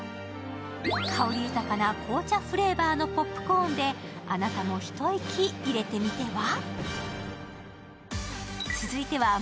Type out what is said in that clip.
香り豊かな紅茶フレーバーのポップコーンであなたも一息入れてみては？